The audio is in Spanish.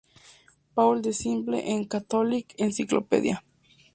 Paul the Simple", en: "Catholic encyclopedia".